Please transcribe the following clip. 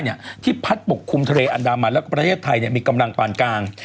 นักรัฐปกคุมทะเลอันดามันและภาคประเทศไทยมีกำลังปานกลาง